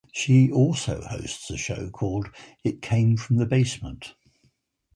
She also hosts a show called It Came From The Basement!